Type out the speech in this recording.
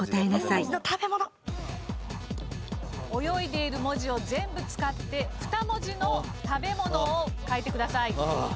泳いでいる文字を全部使って２文字の食べ物を書いてください。